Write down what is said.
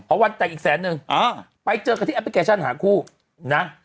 เอาวันแต่งอีกแสนนึงไปเจอกันที่แอปพลิเคชันหาคู่นะ